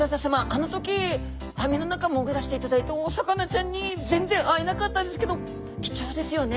あの時網の中潜らせていただいてお魚ちゃんに全然会えなかったですけど貴重ですよね？